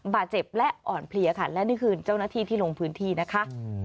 บาดเจ็บและอ่อนเพลียค่ะและนี่คือเจ้าหน้าที่ที่ลงพื้นที่นะคะ